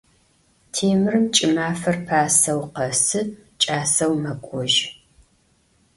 Têmırım ç'ımafer paseu khesı, ç'aseu mek'ojı.